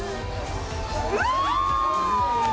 うわ！